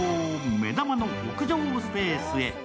目玉の屋上スペースへ。